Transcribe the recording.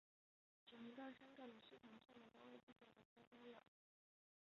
转移到香港的师团剩余单位不久即参加了豫湘桂会战中的湘桂会战攻占南宁。